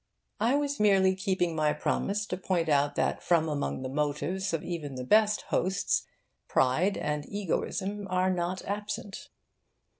I was merely keeping my promise to point out that from among the motives of even the best hosts pride and egoism are not absent.